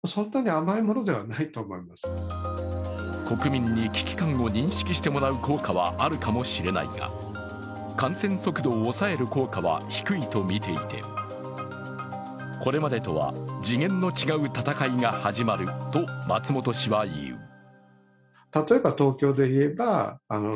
国民に危機感を認識してもらう効果はあるかもしれないが、感染速度を抑える効果は低いとみていて、これまでとは次元の違う闘いが始まると松本氏は言う。